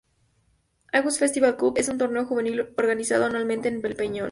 Argus Festival Cup es un torneo juvenil organizado anualmente en el Peñón.